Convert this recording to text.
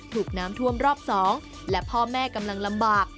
ถูกน้ำท่วมรอบ๒และพ่อแม่กำลังลำบาก